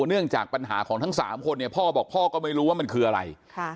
เนื่องจากปัญหาของทั้ง๓คนเนี่ยพ่อบอกพ่อก็ไม่รู้ว่ามันคืออะไร